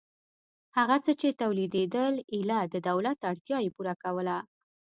هغه څه چې تولیدېدل ایله د دولت اړتیا یې پوره کوله.